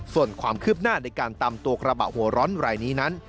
ส่วนความคืบหน้าในการตามตัวกระบะหัวร้อนรายนี้นั้น